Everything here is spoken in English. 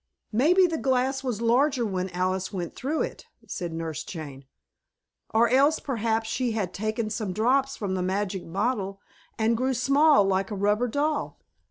"Maybe the glass was larger when Alice went through it," said Nurse Jane, "or else perhaps she had taken some drops from the magic bottle and grew small like a rubber doll."